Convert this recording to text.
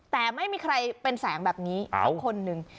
แต่ไม่มีใครเป็นแสงแบบนี้สักคนหนึ่ง